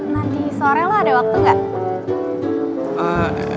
nanti sore lo ada waktu nggak